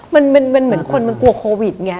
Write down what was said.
มันเป็นเหมือนคนมันกลัวโควิดไง